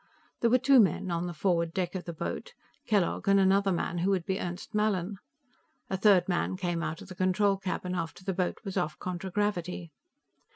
There were two men on the forward deck of the boat, Kellogg and another man who would be Ernst Mallin. A third man came out of the control cabin after the boat was off contragravity.